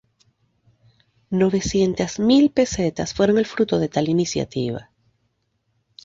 Novecientas mil pesetas fueron el fruto de tal iniciativa.